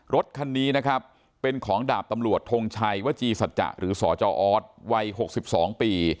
รถคันนี้นะครับเป็นของดาบตำลวดทงชัยวจีสัจจะหรือสอวัยหกสิบสองปี